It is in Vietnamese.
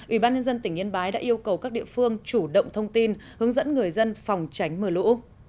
ủy ban nhân dân tỉnh yên bái đã yêu cầu các địa phương chủ động thông tin hướng dẫn người dân phòng tránh mưa lũ